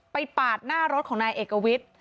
ปาดหน้ารถของนายเอกวิทย์